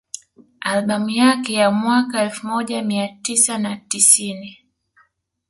Albamu yake ya mwaka wa elfu moja mia tisa na tisini